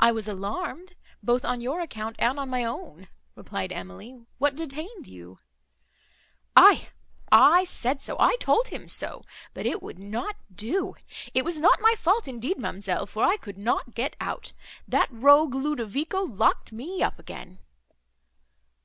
"I was alarmed both on your account and on my own," replied Emily—"What detained you?" "Aye, I said so, I told him so; but it would not do. It was not my fault, indeed, ma'amselle, for I could not get out. That rogue Ludovico locked me up again."